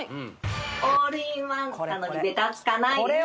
「オールインワンなのにベタつかない」です